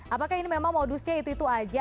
apakah ini memang modusnya itu itu aja